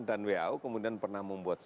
dan who kemudian pernah membuat